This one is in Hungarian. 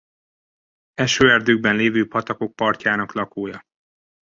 Esőerdőkben lévő patakok partjának lakója.